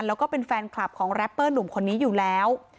แล้วก็เป็นแฟนคลับของแรปเปอร์หนุ่มคนนี้อยู่แล้ว